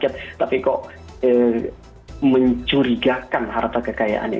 tapi kok mencurigakan harta kekayaannya